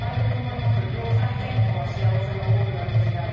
良妻賢母が幸せのゴールだった時代に。